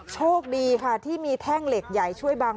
โชคดีค่ะที่มีแท่งเหล็กใหญ่ช่วยบัง